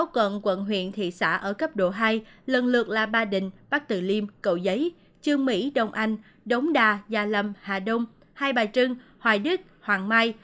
hai mươi sáu quận quận huyện thị xã ở cấp độ hai lần lượt là ba đình bắc tử liêm cậu giấy chương mỹ đông anh đống đà gia lâm hà đông hai bài trưng hoài đức hoàng mai